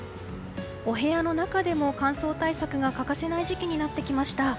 お部屋の中でも乾燥対策が欠かせない時期になってきました。